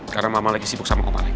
karena mama lagi sibuk sama om alex